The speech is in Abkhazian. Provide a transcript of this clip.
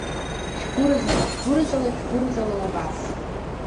Шәгәырӷьала, шәгәырӷьала, шәгәырӷьала убас!